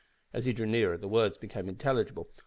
As he drew nearer the words became intelligible.